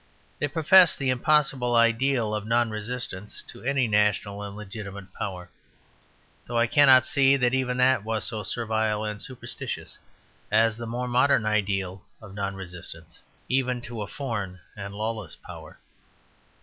They professed the impossible ideal of "non resistance" to any national and legitimate power; though I cannot see that even that was so servile and superstitious as the more modern ideal of "non resistance" even to a foreign and lawless power.